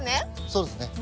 そうですね。